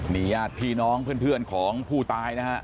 นี่ญาติพี่น้องเพื่อนของผู้ตายนะฮะ